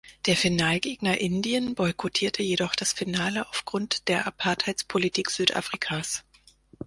Der Finalgegner Indien boykottierte jedoch das Finale aufgrund der Apartheidspolitik Südafrikas.